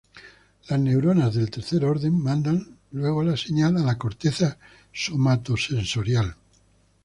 Las neuronas de tercer orden mandan luego la señal a la corteza somatosensorial.